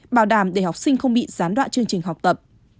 bảo đảm để học sinh không bị gián đoạn chương trình học tập